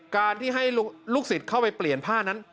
การที่ให้ลูกศิษย์เข้าไปเปลี่ยนผ้านั้น